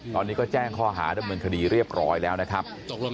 ตอนนี้ก็แจ้งข้อหาดำเนินคดีเรียบร้อยแล้วนะครับ